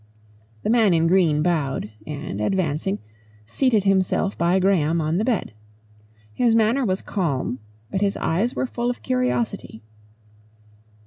The man in green bowed, and, advancing, seated himself by Graham on the bed. His manner was calm, but his eyes were full of curiosity.